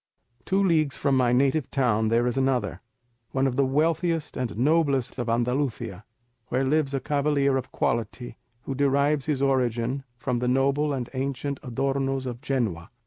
"Two leagues from my native town there is another, one of the wealthiest and noblest of Andalusia, where lives a cavalier of quality, who derives his origin from the noble and ancient Adornos of Genoa.